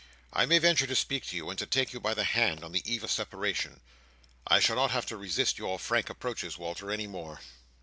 I may venture to speak to you, and to take you by the hand, on the eve of separation. I shall not have to resist your frank approaches, Walter, any more."